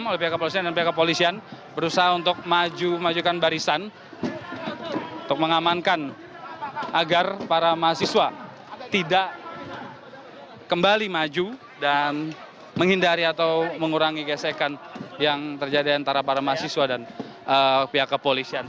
jadi pihak kepolisian dan pihak kepolisian berusaha untuk maju memajukan barisan untuk mengamankan agar para mahasiswa tidak kembali maju dan menghindari atau mengurangi gesekan yang terjadi antara para mahasiswa dan pihak kepolisian